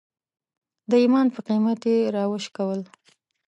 د ایمان په قیمت یې راوشکول.